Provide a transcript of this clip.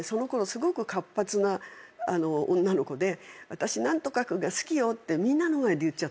すごく活発な女の子で「私何とか君が好きよ」ってみんなの前で言っちゃったんです。